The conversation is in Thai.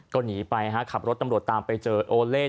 ก็หนีไปฮะขับรถตำรวจตามไปเจอโอเล่